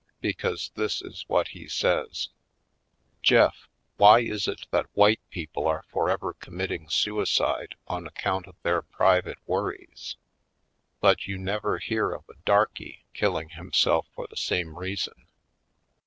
Because this is w^hat he says: "Jeff, why is it that white people are for ever committing suicide on account of their private v^orries but you never hear of a Oiled Skids 175 darky killing himself for the same reason?"